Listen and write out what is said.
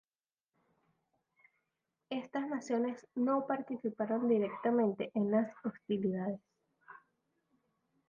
Estas naciones no participaron directamente en las hostilidades.